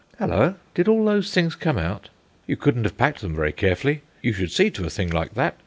Halloa! did all those things come out? You couldn't have packed them very carefully; you should see to a thing like that.